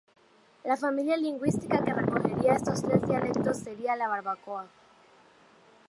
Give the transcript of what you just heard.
La familia lingüística que recogería estos tres dialectos sería la Barbacoa.